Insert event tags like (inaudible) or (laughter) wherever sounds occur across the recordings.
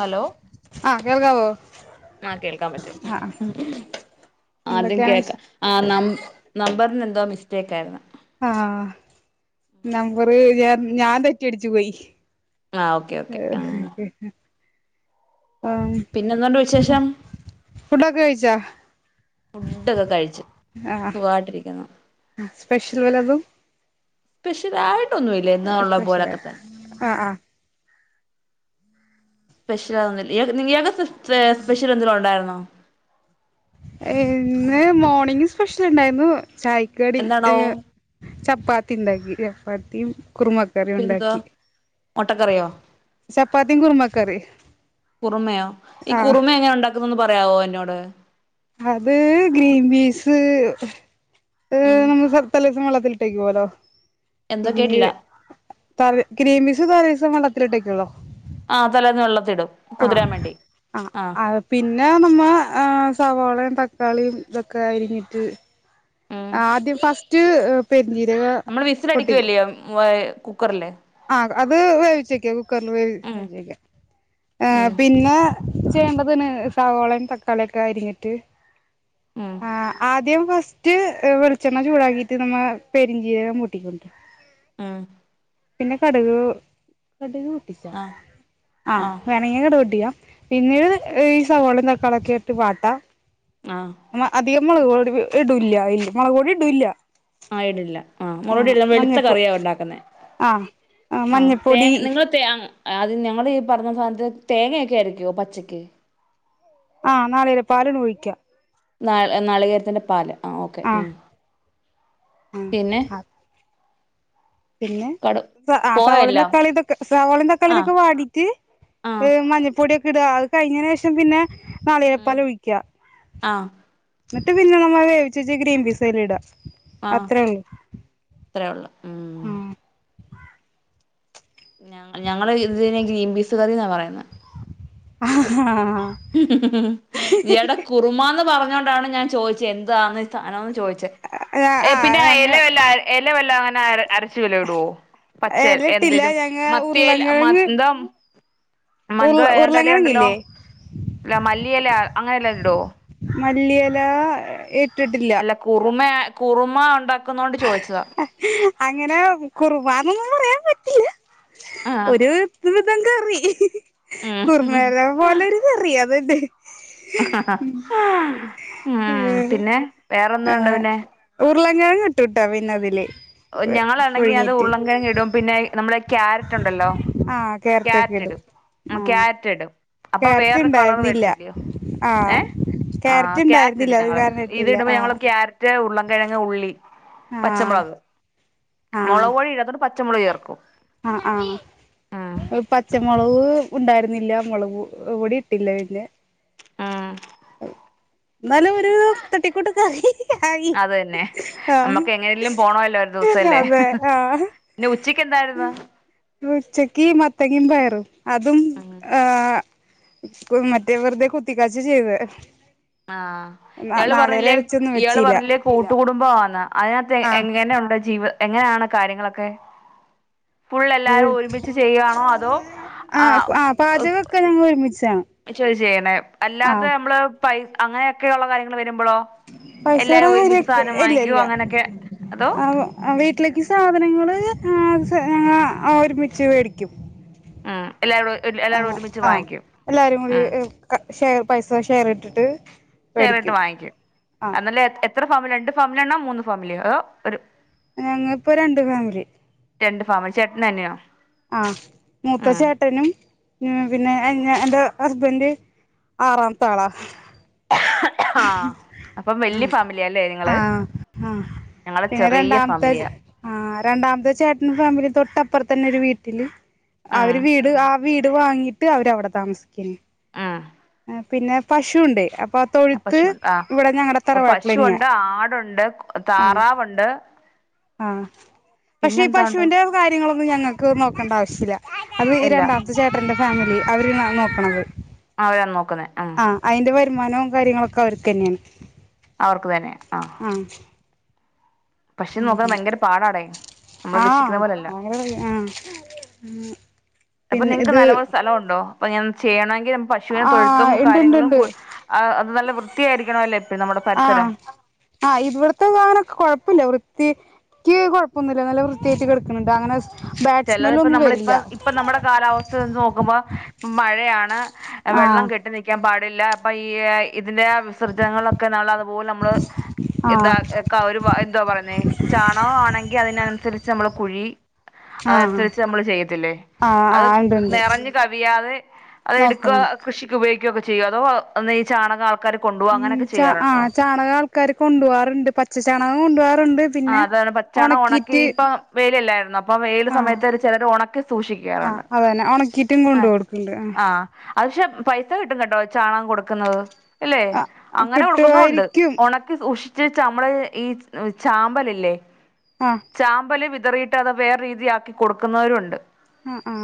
Hello ആഹ് കേൾക്കാവോ ആഹ് ആ കേൾക്കാൻ പറ്റും ആഹ് ആദ്യം എന്തൊക്കെയാണ് കേക്ക വിശേ ആ നം നമ്പറി ന്തോ മിസ്റ്റേക്കാരുന്നു ആഹ് നമ്പറ് ഞാൻ ഞാൻ തെറ്റിയടിച്ചു പോയി ആ ഓക്കേ ഓക്കേ ആ ആഹ് പിന്നെന്തൊണ്ട് വിശേഷം ഫുഡൊക്കെ കഴിച്ചാ ഡ്ഡൊക്ക കഴിച്ചു സുഖായിട്ടിരിക്കുന്നു ആ സ്പെഷ്യൽ വല്ലതും സ്‌പെഷ്യലായി ട്ടൊന്നുവില്ല എന്നുവുള്ള സ്പെഷ്യലാ പോലൊക്ക തന്നെ ആഹ് ആഹ് സ്പെഷ്യലാ ഒന്നുല്ല ഇയാക് നി ഇയാക്ക് സ്പെഷ്യൽ എന്തേലൊണ്ടായിരുന്നോ ഇന്ന് മോർണിംഗ് സ്പെഷ്യൽ ഇണ്ടായിര്ന്നു ചായക്ക് കടി ഏ എന്താണാവോ ചപ്പാത്തി ഇണ്ടാക്കി മത്തിം കുറുമക്കറി പിന്നെന്തുവാ ഉണ്ടാക്കി മുട്ടക്കറിയോ ചപ്പാത്തിം കുറുമക്കറിം ആഹ് ഒന്ന് പറയാവോ എന്നോട് അത് ഗ്രീൻ പീസ് (unintelligible) ഉം (unintelligible) (unintelligible) എന്തോ കേട്ടില്ല തൽ ഗ്രീൻപീസ് തലേസം വള്ള ണ്ട്കിലോ ആ തലേന്ന് വെള്ളത്തിടും ആഹ കുതിരാൻ വേണ്ടി ആ ആഹ് ആ പിന്നെ നമ്മ ഹ് സവോളയും തക്കാളിയും ഇതൊക്കെ അരിഞ്ഞിട്ട് ഉം ആദ്യ ഫസ്റ്റ് ഹ് പി നമ്മള് വിസിൽ അടിക്കുവല്ലേ യ് ആ അത് വേവിച്ചെക്കാ കുക്കറിൽ ഉം വേവേിച്ചേക്ക ആ ഉം പിന്നെ ചെയ്യേണ്ടതിന് സാവോളയും തക്കാളിയൊക്കെ അരിഞ്ഞിട്ട് ഉം ആഹ ആദ്യം ഫസ്റ്റ ട്ട് വെളിച്ചെണ്ണ ചൂടാക്കിയിട്ട് നമ്മ പെരിഞ്ചീരകം പൊട്ടിക്കണ്ട് ഹ് പിന്നെ കടുക് കടു ആഹ് ആ ആഹ് വേണങ്ങി കടുക് പൊട്ടിക്കാ പിന്നീട് ഈ സവോളേം തക്കാളി ഒക്കെ ഇട്ട് വാട്ടാ ആഹ് ആ അധികം മുളപൊടി ഇടില്ല ഇല്ല മുളപൊ ടി ഇടില്ല ആ ഇടില്ല ആ മൊളകൊടി ഇടില്ല ഞാൻ വെളുത്ത കറിയാ ഉണ്ടാക്കുന്നെ ആ മഞ്ഞപ്പൊടി തേ അത് ഞങ്ങള് ഈ പറഞ്ഞ സാധനത്തിന് തേങ്ങൊക്കെ അരക്കുവോ പച്ചക്ക് ആഹ് നാളികേരപ്പാലാണ് ഒഴിക്ക നാ നാളികേരത്തിന്റെ പാല് ആ ഓക്കെ ഉ ആഹ് ആഹ് പിന്നെ ആഹ് പിന്നെ കടു അ പോയോ സവോളയും എല്ലാം തക്കാളിയും ഇതൊക്കെ സവാളയും തക്കാളി ആഹ് ഇതൊക്കെ വാടിയിട്ട് ആഹ് മഞ്ഞൾപ്പൊടിയൊക്കെ ഇടാ ആൾ- കഴിഞ്ഞന് ശേഷം പിന്നെ- ഉം നാളികേരപ്പാല് ഒഴിക്കാ ആഹ് എന്നി്ട്ട് പിന്നെ നമ്മ വേവിച് വച്ച ഗ്രീൻ പിസ് അതിലിടാ ആ അത്രേ ഉള്ളൂ അത്രേ ഉള്ളൂ ഉ ഞങ്ങ ഞങ്ങള് ഇതിനെ ഗ്രീൻപീസ് കറിന്നാ പറയുന്നേ. ആഹ് ആഹ് ഇയാടെ കുറമാന്ന് പറഞ്ഞ ഞ്ഞോണ്ടാണ് ഞാൻ ചോദിച്ചേ എന്തുവാണ് ഈ സാധനോ ന്ന് ചോദിച്ചേ ആ പിന്നെ ഞങ്ങ എല വല്ലോം എല വല്ലോം ആര അര ച്ച് വെല്ലോ ഇടുവോ പച്ച എലട്ടില്ല എന്തേലും ഞങ്ങ മത്തിയേൽ മ ഉരുളൻകിഴങ്ങ് എന്തുവാ ഉരുള ഉരുളങ്ങെഴങ്ങില്ലേ? അല്ല മല്ലിയെല അങ്ങനെല്ലോ ഇടുവോ മല്ലിയെല എ ഇ അല്ല കുറുമയാ കുറുമ ഒണ്ടാക്കുന്നോണ്ട് ചോദിച്ച അങ്ങനെ കുറുമാന്നൊന്നും പറയാൻ പറ്റില്ല. ആഹ് ഒരു ഒര് വിതം കറി. ഉം കുർമേലെ പോലൊരു കറി അത് ബേത് ഡെ ഊം പിന്നെ വേറെന്തോണ്ട് പിന്നെ ഉരുളൻങ്ങിട്ടുട്ടോ പിന്നതില് ഞങ്ങളാണെങ്കിൽ അത് ഉരുളംകിഴങ്ങിടും. പിന്നേ യീ നമ്മളെ ക്യാരറ്റ് ഉണ്ടല്ലോ ക്യാരറ്റ് ഇടും ആഹ് ക്യാരറ്റിടും അപ്പൊ ക്യാരറ്റ് വേറൊരു കളർ ഇണ്ടായിരുന്നില്ല വരത്തില്ലയോ ആഹ് ഏഹ് ആ ക്യാരറ്റ് ഇണ്ടായിരുന്നില്ല ഇടും അത് ഞങ്ങള് കാരണം ഇട്ടില്ല ഇത്ടുമ്പോ ഞങ്ങള് ആഹ് ക്യാരറ്റ് ഉള്ള കിഴങ്ങ് ഉള്ളി ആഹ് പച്ചമുളക് ആഹ് മൊളോപൊടി ഇല്ലാത്തോണ്ട് പച്ച പച്ചമൊളക് ചേർക്കും ആഹ് ഉം ആഹ് പച്ചമുളക് ഉണ്ടായിരുന്നില്ല മുളക്പൊടീം ഇട്ടില്ല പിന്നെ ഉം ആയി അത് തന്നെ ആഹ് നമ്മുക്ക് എങ്ങനെങ്കിലും പോണോല്ലൊ ഒരു ദിവസല്ലേ എന്തായിരുന്നു ച്ചക്ക് മത്തങ്ങേം പയറു ത്ത് അതും ഉം ആഹ് മറ്റേ വെറുതെ കുത്തിക്കാച്ച ചെയ്ത് ആഹ് ഇയാള് പറഞ്ഞില്ലേ ഇയാള് വെച്ചില്ല പറഞ്ഞില്ലേ കൂട്ടുകടുംബം ആന്ന് അയാത്ത് ആഹ് എങ്ങനെഒണ്ട് ജീവ് (unintelligible) എങ്ങനാണ് കാര്യങ്ങളൊക്കെ ഫുൾ എല്ലാരും ഒരുമിച്ച് ചെയ്യുവാണോ അതോ ആ ആ പാചകൊക്കെ ഞങ്ങ ഒരുമിച്ച് ശോരി ചെയ്യണേ അല്ലാതെ നമ്മള് പൈ അങ്ങനെഒക്കെഒള്ള കാര്യങ്ങള് വര് പൈസയുടെ കാര്യൊക്കെ ഇല്ല വാങ്ങിക്കോ ഇല്ല അങ്ങനൊക്കെ അതോ ആ ഹ്ആ വീട്ടിലേക്ക് സാധനങ്ങള് ആവശ് (unintelligible) ഞങ്ങ ഒരുമിച്ച് വേടിക്കും ആഹ ആ ആഹ് എല്ലാരും കൂടി ഉം (unintelligible) ഷെയർ പൈസ ഷെയർ ഇട്ടിട്ട് ഷേറിട്ട് മേടിക്കും വാങ്ങിക്കും ആഹ് അതല്ലേ എത്ര ഫാമില് രണ്ട് ഫാമിലി ആണോ മൂന്ന് ഫാമിലിഓ അതോ ഒരു ഞങ്ങ ഇപ്പോ രണ്ട് ഫാമിലി ചേട്നനയോ ആഹ് മൂത്ത ചേട്ടനും മ് പിന്നെ എന്നെ എന്റെ ഹസ്ബൻഡ് ആറാംതാളാ ആഹ് അപ്പം വല്യ ഫാമിലിയ അല്ലേ ആ ആ നിങ്ങള് ആ ഞങ്ങള് പിന്നെ ചെറിയ രണ്ടാമത്തെ ഫാമിലിയാ ആ രണ്ടാമത്തെ ചേട്ടന് ഫാമിലീം തൊട്ടപ്പുറത് തന്നൊരു വീട്ടില് ഉം അവര് വീട് ആ വീട് വാങ്ങിയിട്ട് അവരവിടെ താമസിക്ക്യന് ആ ആ പിന്നെ പശുവുണ്ടെ അ ആ പശുണ്ട്. ആ അപ്പൊ പശു തറവാട്ടിലന്നെയാ ഒണ്ട്, ആടൊണ്ട്, താറാവുണ്ട്. ആ പക്ഷെ ഈ പിന്നെന്താ ഉണ്ട് പശുവിന്റെ കാര്യങ്ങളൊ ന്നും ഞങ്ങക്ക് നോക്കണ്ട ആവശ്യില്ല. അത് ഈ ഇല്ല രണ്ടാമത്തെ ചേട്ടന്റെ ഫാമിലി. അവര്ണാ അത് നോക്ണത്. അവരാണ് നോക്ണെ. ഉം മാനവും കാര്യങ്ങളൊക്കെ അവര്ക്കന്നേണ്. അവർക്ക് തന്നെയാ ആഹ് ഉം നമ്മൾ ആഹ ഉദ്ദേശിക്കുന്ന പോലെയല്ല വര (unintelligible) ആ അപ്പൊ നിങ്ങ്ക്ക് നല്ലോലം സലൊണ്ടോ (unintelligible) അപ്പ ഞാൻ ചെയ്യണ (unintelligible) പശുവിനെ തൊഴുത്തും ആഹ് ഇണ്ട് ഇണ്ട് കാര്യങ്ങളും ഇണ്ട് കു അത് നല്ല വൃത്തിയാരിക്കണല്ലോ എപ്പ നമ്മടെ പരിസരം. ആഹ് ത്തിക്ക് കുഴപ്പൊന്നുല്ല നല്ല വൃത്തിയായിട്ട് കിടക്കുന്നുണ്ട് അങ്ങനെ ബാഡ് ചിലത് സ്മെല്ല് ഇപ്പ ഒന്നും നമ്മളിപ്പ വരില്ല ഇപ്പ നമ്മുടെ കാലാവസ്ഥ ച്ച് നോക്കുമ്പോ മഴയാണ്. ആ വെള്ളം ആഹ് കെട്ടി നിൽക്കാൻ പാടി.. ല്ല അപ്പൊ ഈ.. ഇതിന്റെ ആ വിസർജങ്ങളൊക്കെ നല്ലതുപോലെ നമ്മള് ആഹ് എന്താ ക്ക അവരു എന്താ പറയുന്നത് ചാണകം ആണെങ്കിൽ അതിനനുസരിച്ച് നമ്മൾ കുഴി.. ആഹ് അതനുസരിച്ച് നമ്മള് ചെയ്യത്തില്ലേ ആഹ് അത് ആഹ് ഇണ്ട് ഇണ്ട് നിറഞ്ഞ് കവിയാതെ അത് എടുക്കുക നോക്കണം കൃഷിക്ക് ഉപയോഗി.. ഒക്ക ചെയ്യോ അതോ ഒന്ന് ഈ ചാണകം അ.. ങു ആ ച ചാണകം ആൾക്കാര് കൊണ്ടുപോകാറുണ്ട് പച്ച ചാണകം കൊണ്ടുപോവാ.. ആ അതാണ് പച്ചാണ് ഉണക്കി ഇപ്പൊ വെയിലല്ലായിരുന്നോ അപ്പൊ വെയില് ആഹ് സമയത്ത് ചിലർ ഉണക്കി ആഹ് സൂക്ഷിക്കാറുണ്ട് അതന്നെ ഒണക്കീറ്റും ആ കൊണ്ട് കൊടുക്കണ്ട് ആ ആഹ് അത്ക്ഷെ.. പൈസ കിട്ടും കേട്ടോ ചാണകം കൊടുക്കുന്നത് അല്ലെ ആഹ് അങ്ങനെ കൊടുക്കുന്നൊണ്ട് കിട്ടുവായിരിക്കും ഒണക്കി സൂക്ഷി (unintelligible) ചാമ്പല് ഇല്ലേ ആഹ് ചാമ്പല് വി റിയിട്ടാതെ വേറെ രീതി ആക്കി കൊടുക്കുന്നവരുണ്ട് അ ആ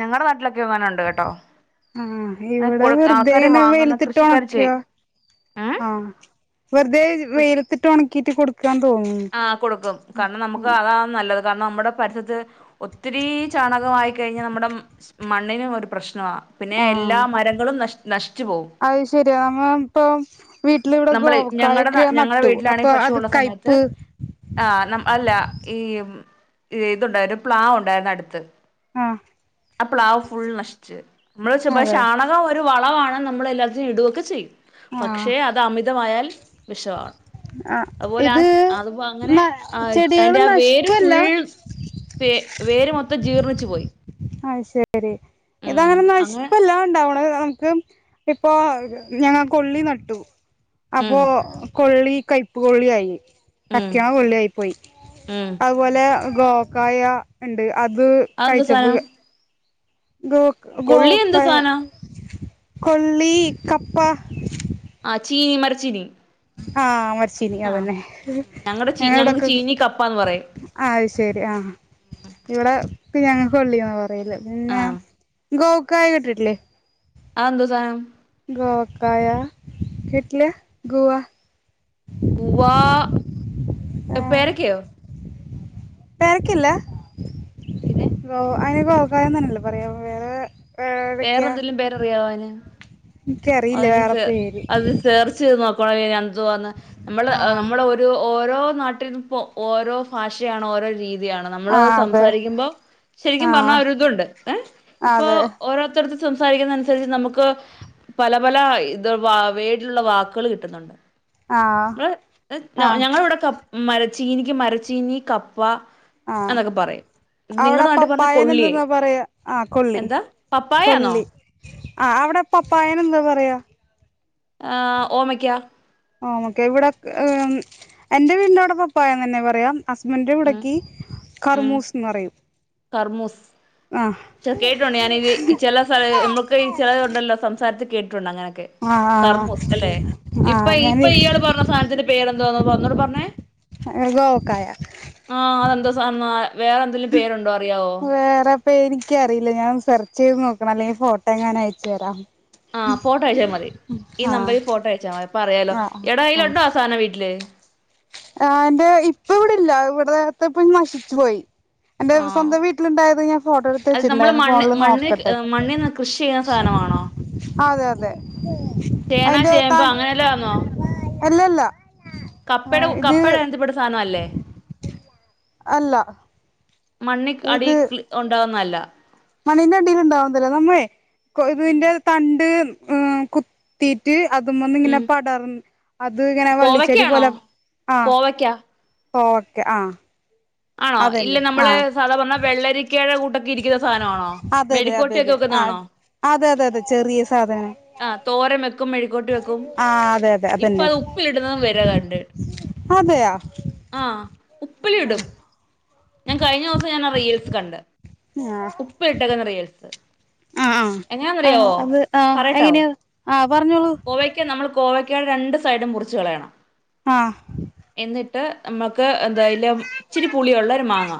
ഞങ്ങടെ നാട്ടിലൊക്കെ അങ്ങനുണ്ട് കേട്ടോ ആ അങ്ങനെ ഇവിടെ കൊടു ആൾക്കാര് വെറുതെനെ വാങ്ങുന്ന വെയിലത്തിട്ട് കൃഷിക്കാര് ഒണക്കിയ ചെയ്യും ഉം ആ വെറുതെ വെയിലത്തിട്ട് ഒണക്കീട്ട് കൊടുക്കാന്ന്‌ തോ ആ കൊടുക്കും കാരണം നമുക്ക് അതാ നല്ലത് കാരണം നമ്മുടെ പരിസരത്ത് ഒത്തിരീ ചാണകമായി കഴിഞ്ഞാൽ നമ്മുടെ മ മണ്ണിനും ഒരു പ്രശ്നാ ആ പോവും അയ് ശെരിയാ നമ്മള് ഇപ്പം വീട്ടിലിവിടെ നമ്മള് ഗോവക്കായ ഞങ്ങടെ നാ ക്കെ നട്ടു അപ്പൊ അത് കയ്പ്പ് ആ നമ് അല്ല ഈ ഇതുണ്ട് ഒരു പ്ലാവ് ഉണ്ടായിരുന്നു അടുത്ത് ആ അ പ്ലാവ് ഫുൾ നശിച്ച് നമ്മള് (unintelligible) അതെ ഷാണകം ഒരു വളവാണ് ഇന്നാ നമ്മള് എല്ലാ (unintelligible) ഒക്കെ ചെയ്യും ആഹ് പക്ഷെ അത് അമിതമായാൽ വിഷവാ. ആ ഇത് അത്പ്പോ അങ്ങനെ ന ആ ചെടികള് അതിന്റെ ആ വേര് നശിക്കല്ല ഫുൾ വേ വേര് മൊത്തം ജീർണിച്ചു പോയി അത് ശരി ഉം ഇതങ്ങനെ അങ്ങനെ നശിപ്പല്ല ഉണ്ടാവണ നമുക്ക് ഇപ്പൊ ഞങ്ങ കൊള്ളി നട്ടു. അപ്പോ ഉം കൊള്ളി കൈയ്പ്പു കൊള്ളിയായി. ഉം യ്ക്കിണ കൊള്ളിയായി പോയി ഉം അതുപോലെ ഗോക്കായ ഉണ്ട്. അത് അതെന്ത് കഴിച്ചപ്പോൾ സാനം ഗോ കൊള്ളി എന്ത് ഗോക്കായ സാനാ കൊള്ളി കപ്പ ആ ചീനി മരച്ചീനി ആഹ് മ ചീനി ആഹ് അതന്നെ ഉം ഞങ്ങടെ ചീ ഞങ്ങക്ക് ഞങ്ങളവിടെക്കെ ചീനി കപ്പാന്ന് പറയും അത് ശരി ആ ഇവിടെ ഇപ്പ ഞങ്ങക്ക് കൊള്ളി ന്നാ പ പിന്നെ ആഹ് ഗോ കായ കേട്ടിട്ടില്ലേ? ആന്ത് സാനം. - ഗോക്കായ കേട്ടില്ല്യാ ഗുവാ. ഗുവാ- ഏഹ് പേരയ്ക്കയോ? പേരെയ്ക്കയല്ലേ പിന്നെ. അതിന ഗോകയാ തന്നെയല്ലേ പറയാ വേറെ. വേറെ വേറെതൊക്കെയാ എന്തെലും പേരറിയാവോന് എനിക്കറിയില്ല അതിന് വേറെ സെ പേര് അതിന് സേർച്ച് ചെയ്ത് നോ (unintelligible) എന്തുവാന്ന് നമ്മൾ ആഹ് നമ്മള് ഒരു ഓ ഓരോ നാട്ടിൽ ഇപ്പോ ഓരോ ഭാഷയാണ് ഓരോ രീ തിയാണ് നമ്മള് ആഹ് അതെ സംസാരിക്കുമ്പോ ശരിക്കും ആഹ് പറഞ്ഞാൽ ഒരിതുണ്ട് ഏഹ് ഇപ്പൊ അതെ ഓരോത്തരു സംസാരിക്കുന്ന അനുസരിച്ച് നമുക്ക്. പല പല ഇത് വ വേഡിലുള്ള വാക്കുകൾ കിട്ടുന്നുണ്ട്. ആഹ് (unintelligible) ആഹ് ഞങ്ങൾ ഇവിടെക്കെ മരച്ചീനിക്ക് മരച്ചീനി ക ആഹ് നിങ്ങടെ അവിടെ നാട്ടിൽ പറഞ്ഞ പപ്പായനെ കൊള്ളിയേ എന്തെന്നാ പറയാ ആഹ് കൊള്ളി എന്താ പപ്പായാന്നോ കൊള്ളി. ആഹ് അവിടെ പപ്പായനെ എന്താ പറയാ? ആഹ് ഓമയ്ക്ക. ഓമയ്ക്കാ ഇവിടെ ഏഹ് എന്റെ വീടിന്റെവിടെ പപ്പായ തന്നെ പറയാ. ഹസ്ബന്റെ ഉം ഇവിടെക്ക് ഉം കർമൂസ്ന്ന് പറയും. കർമൂസ് ആഹ് ചെ കേട്ടുണ്ട് ഞാനത് ചില സ്ഥല നമ്മുക്ക് ഈ ചിലതുണ്ടല്ലോ സംസാ അത് കേ ട്ടിട്ടുണ്ട് അങ്ങനൊക്കെ ആഹ് കർമൂസ് ആഹ് അല്ലെ ഇപ്പൊ ആഹ് ഇപ്പ ഞാന് ഇയാള് പറഞ്ഞ സാനത്തിന്റെ പേരെന്തോന്നപ ഒന്നൂടി പറഞ്ഞെ ഗോവക്കായ ആ അതെന്താ സാധ വേറെ എന്തെലും പേരുണ്ടോ അറിയാവോ പേരിക്കറിയില്ല ഞാൻ സെർച്ച് ചീത് നോക്കണം അല്ലെങ്കി ഫോട്ടോ എങ്ങാനും അയച്ചു തരാം ആഹ് ഫോട്ടോ അയച്ചാ മതി ഈ ആഹ് നമ്പറിൽ ഫോട്ടോ അയച്ചാ മതി പ്പറയാലോ ആഹ് എടാ അയ്ലൊണ്ടോ ആ സാനം വീട്ടില് ആ ന്റെ ഇപ്പ ഇവിടില്ല ഇവടത്തെപ്പ നശിച്ചു പോയി എൻ്റെ ആഹ് സ്വന്തം വീട്ടിലിണ്ടായത് ഞാൻ ഫോട്ടോ എടുത്ത് അത് നമ്മള് ച്ചിട്ടുണ്ടായിരുന്നു മണ്ണ് ഫോണില് മണ്ണ് നോക്കട്ടെ മണ്ണിന്ന് കൃഷി ചെയ്യുന്ന സാധനമാണോ അതെ അതെ ചേന അതിന്റെ ചേമ്പ് താൻ അങ്ങനെല്ലാം അല്ലല്ല കപ്പടെ ഇത് കപ്പടെ എനത്തിപ്പെട്ട സാനം അല്ലേ അല്ല മണ്ണി അടി ഇത് (unintelligible) ഉണ്ടാവുന്നല്ല മണ്ണിന്റെ അടില് ഉണ്ടാവുന്നതല്ല നമ്മളെ ഉം കൊയ്തതിൻ്റെ തണ്ട് ഉം കുത്തീറ്റ് അതുമന്ന് ഇങ്ങനെ ഉം പടർ അത് ഇങ്ങനെ വള്ളിച്ചെടി കോവയ്ക്കാണോ പോലെ ആ കോവയ്ക്ക ഓക്കെ ആ ആണോ ഇല്ല നമ്മള് സാധാ പറഞ്ഞ വെള്ളരിക്കടെ കൂട്ട ഇരിക്കുന്ന സാനാണോ അതെ അതെ മെഴിക്കോട്ടി ഒക്കെ അതെ അതെ ആ വെക്കുന്നാണോ അതെ അതെ അതെ ചെറിയ സാധനം ആ തോരൻ വെക്കും മെഴിക്കോട്ടി വെക്കും ആ അതെ അതെ ഇപ്പൊ അതന്നെ അത് ഉപ്പിലിടുന്നതും വെര കണ്ട് അതെയാ ആഹ് ഉപ്പിലിടും ഞാൻ കഴിഞ്ഞൂസം ഞാൻ റീൽസ് കണ്ട് ഉപ്പ് ഇട്ട്ക്കന്ന റീൽസ് ആഹ് ആഹ് ആഹ് എങ്ങനാന്നറിയാവോ അത് ആഹ് പറയട്ടാവോ എങ്ങനിയത് ആഹ് പറഞ്ഞോളൂ കോവയ്ക്കടെ രണ്ട് സൈഡും മുറിച്ച് കളയണം ആഹ് ട്ട് മ്മക്ക് എ ന്താ അയ്ലം ഇച്ചിരി പുളിയുള്ള ഒരു മാങ്ങ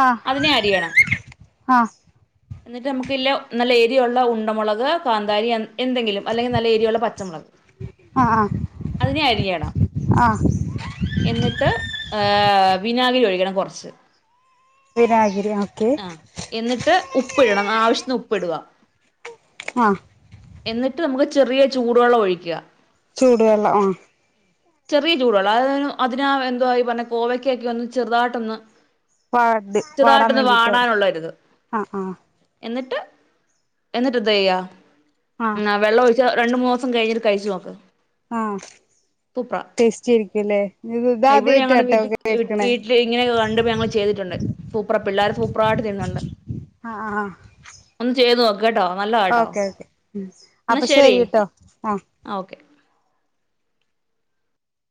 ആ അതിനെ അരിയണം ആ എന്നിട്ട് നമുക്ക് യില് നല്ല എരിയൊള്ള ഉണ്ടമുളക് കാന്താരി അ എന്തെങ്കിലും അല്ലെങ്കി നല്ല എരിയുള്ള പച്ചമുളക് ആ അതിനെ അരിയണം ആ ആ എന്നിട്ട് ങ് വി വിനാഗിരി ഒഴിക്കണം കൊറച്ച് വിനാഗിരി ഓക്കെ ആഹ് എന്നിട്ട് ഉപ്പ് ഇടണം ആവശ്യത്തിന്ന് ഉപ്പ് ഇടുക. ആഹ് എന്നിട്ട് നമുക്ക് ചെറിയ ചൂടുവെള്ളം ഒഴിക്ക. ചൂട് വെള്ളം ആഹ്. ചെറിയ ചൂട് വെള്ളം അ അതിനാ എന്തു പറഞ്ഞ കോവയ്ക്കക്കെ ഒന്ന് ചെറുതായിട്ടൊന്ന് വാട വാടാൻ ചെറുതായിട്ടൊന്ന് വേണ്ടിട്ടോ വാടാനുള്ളൊരിത് ആഹ് ആഹ്. എന്നിട്ട് എന്നിട്ട് എന്തെയ്യ ആ വെള്ളം ഒ രണ്ടു മൂന്ന് ദിവസം കഴിഞ്ഞിട്ട് കഴിച്ച് നോക്ക്. ആഹ് ടേസ്റ്റി ആയിരിക്കുല്ലേ? ഇവിഴെ ഞങ്ങളുടെ വീട്ടിൽ വീട്ടില് ഇങ്ങനെയൊക്കെ കണ്ട ഞങ്ങൾ ചെയ്തിട്ടുണ്ട് സൂപ്പറ പിള്ളേരു സൂപ്പറായിട്ട് തിന്നുന്നുണ്ട്. ആ ആ ചെയ്ത് നോ ഓക്കെ ഓക്കെ ഉം എന്നാ അപ്പൊ ശരി ശരിട്ടോ ആഹ്. ആ ഓക്കെ